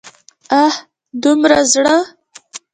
اه! دومره زړه!